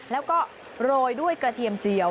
แล้วก็โรยด้วยกระเทียมเจียว